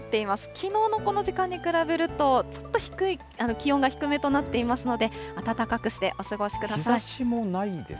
きのうのこの時間に比べると、ちょっと気温が低めとなっていますので、暖かくしてお過ごしください。